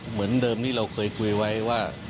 เหมือนเดิมที่เราเคยคุยไว้ว่า